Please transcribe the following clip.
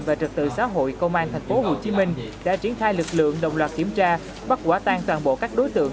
và trật tự xã hội công an tp hcm đã triển khai lực lượng đồng loạt kiểm tra bắt quả tan toàn bộ các đối tượng